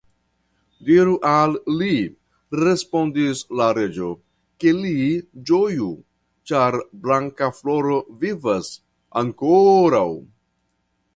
Diru al li, respondis la reĝo, ke li ĝoju, ĉar Blankafloro vivas ankoraŭ.